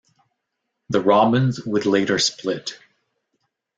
The Robins would later split.